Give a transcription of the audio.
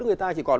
người ta chỉ còn